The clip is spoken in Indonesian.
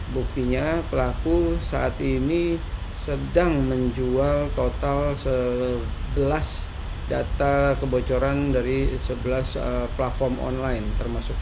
buktinya pelaku saat ini sedang menjual total sebelas data kebocoran dari sebelas platform online